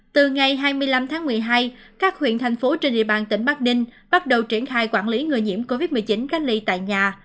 từ ngày hai mươi năm tháng một mươi hai các huyện thành phố trên địa bàn tỉnh bắc ninh bắt đầu triển khai quản lý người nhiễm covid một mươi chín cách ly tại nhà